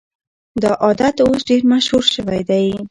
دا عادت اوس ډېر مشهور شوی دی.